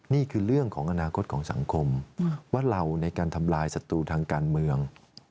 นี่คือเรื่องของอนาคตของสังคมว่าเราในการทำลายศัตรูทางการเมือง